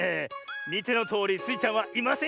みてのとおりスイちゃんはいませんよ。